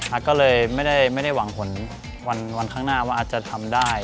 ก็เลยไม่ได้หวังผลวันข้างหน้าว่าอาจจะทำได้